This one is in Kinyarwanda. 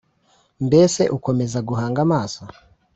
Mbese ukomeza guhanga amaso